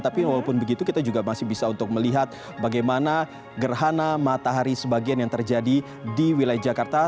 tapi walaupun begitu kita juga masih bisa untuk melihat bagaimana gerhana matahari sebagian yang terjadi di wilayah jakarta